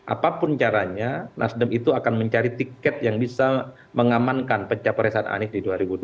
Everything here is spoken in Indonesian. apapun caranya nasdem itu akan mencari tiket yang bisa mengamankan pencapresan anies di dua ribu dua puluh